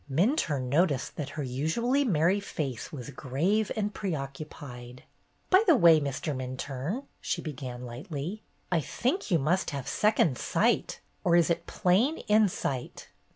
Minturne noticed that her usually merry face was grave and preoccupied. "By the way, Mr. Minturne," she began lightly, "I think you must have second sight. Or is it plain insight?